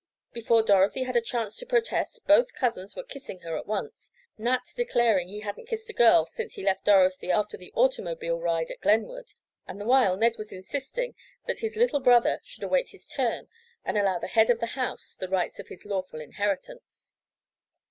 Before Dorothy had a chance to protest both cousins were kissing her at once—Nat declaring he hadn't kissed a girl since he left Dorothy after the automobile ride at Glenwood, and the while Ned was insisting that his "little brother" should await his turn and allow the head of the house the rights of his lawful inheritance.